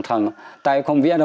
thằng tây không biết đâu